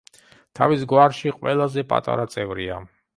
თავის გვარში ყველაზე პატარა წევრია.